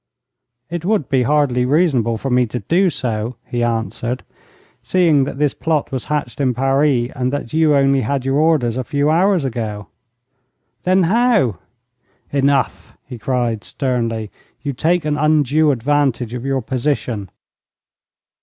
'It would be hardly reasonable for me to do so,' he answered, 'seeing that this plot was hatched in Paris, and that you only had your orders a few hours ago.' 'Then how ?' 'Enough,' he cried, sternly. 'You take an undue advantage of your position.'